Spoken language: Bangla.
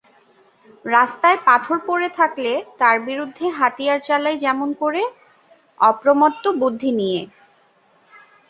রাস্তায় পাথর পড়ে থাকলে তার বিরুদ্ধে হাতিয়ার চালাই যেমন করে, অপ্রমত্ত বুদ্ধি নিয়ে।